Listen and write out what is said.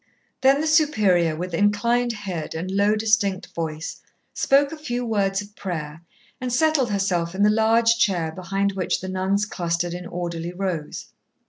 Then the Superior, with inclined head and low, distinct voice, spoke a few words of prayer, and settled herself in the large chair behind which the nuns clustered in orderly rows.